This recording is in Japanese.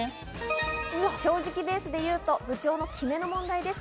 正直ベースでいうと部長の決めの問題です。